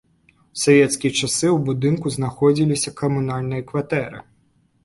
У савецкі час у будынку знаходзіліся камунальныя кватэры.